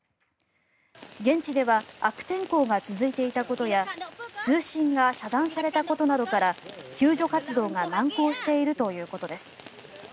現地では悪天候が続いていたことや通信が遮断されたことなどから救助活動が難航しているということです。